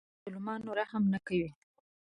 په مظلومانو رحم نه کوي